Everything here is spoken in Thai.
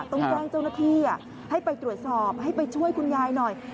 ต้องแจ้งเจ้าหน้าที่ให้ไปตรวจสอบให้ไปช่วยคุณยายหน่อย